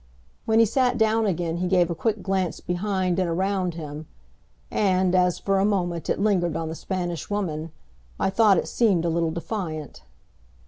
When he sat down again he gave a quick glance behind and around him and, as for a moment it lingered on the Spanish Woman, I thought it seemed a little defiant.